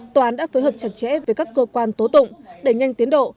tòa án đã phối hợp chặt chẽ với các cơ quan tố tụng để nhanh tiến độ